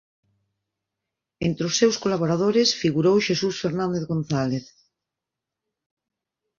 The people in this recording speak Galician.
Entre os seus colaboradores figurou Xesús Fernández González.